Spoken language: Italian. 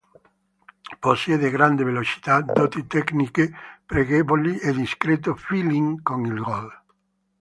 Possiede grande velocità, doti tecniche pregevoli e discreto feeling con il gol.